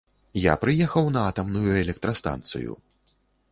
Я прыехаў на атамную электрастанцыю.